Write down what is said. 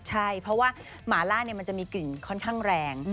ใช่เพราะว่าหมาล่ามันจะมีกลิ่นค่อนข้างแรง